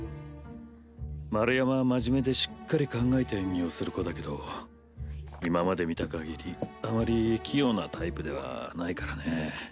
丸山は真面目でしっかり考えた演技をする子だけど今まで見たかぎりあまり器用なタイプではないからね。